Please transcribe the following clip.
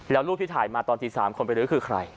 แล้วรูปที่ถ่ายมาตอนตี๓คนไปลื้อคือใคร